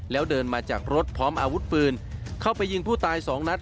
แล้วเดินมาจากรถพร้อมอาวุธปืนเข้าไปยิงผู้ตายสองนัด